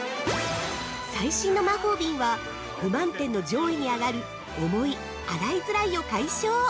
◆最新の魔法瓶は不満点の上位に上がる重い、洗いづらいを解消。